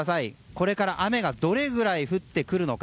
これから雨がどれぐらい降ってくるのか